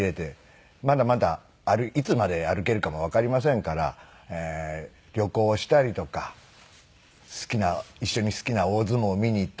まだまだいつまで歩けるかもわかりませんから旅行したりとか好きな一緒に好きな大相撲を見に行ったりとか。